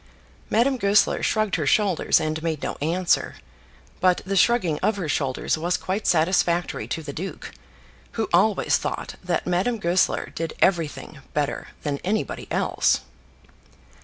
Madame Goesler shrugged her shoulders and made no answer; but the shrugging of her shoulders was quite satisfactory to the duke, who always thought that Madame Goesler did everything better than anybody else.